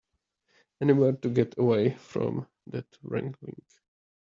Anywhere to get away from that wrangling.